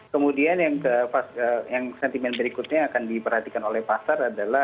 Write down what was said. kemudian yang sentimen berikutnya yang akan diperhatikan oleh pasar adalah